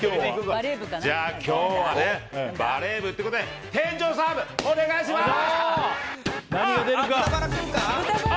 じゃあ、今日はバレー部ということで天井サーブ、お願いします！